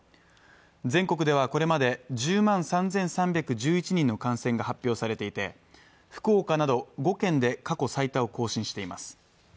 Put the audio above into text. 全国ではこれまで１０万３３１１人の感染が発表されていて福岡など５県で過去最多を更新しています